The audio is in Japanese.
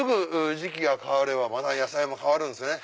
時期が変わればまた野菜も変わるんですね。